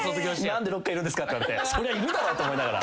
「何でロッカーいるんすか？」って言われているだろ！と思いながら。